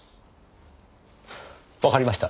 わかりました。